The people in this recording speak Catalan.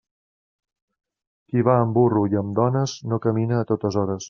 Qui va en burro i amb dones, no camina a totes hores.